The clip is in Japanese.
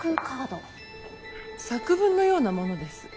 作文のようなものです。